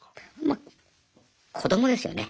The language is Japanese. まあ子どもですよね。